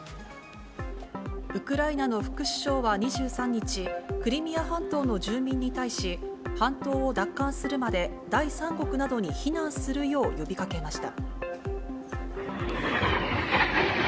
ウクライナの副首相は２３日、クリミア半島の住民に対し、半島を奪還するまで第三国などに避難するよう呼びかけました。